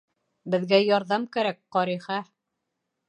— Беҙгә ярҙам кәрәк, Ҡарихә.